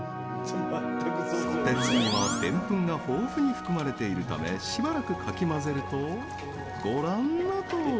ソテツには、デンプンが豊富に含まれているためしばらくかき混ぜるとご覧のとおり。